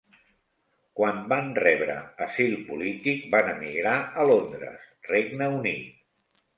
Quan van rebre asil polític van emigrar a Londres, Regne Unit.